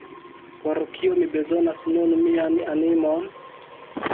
Por kio mi bezonas nun mian animon?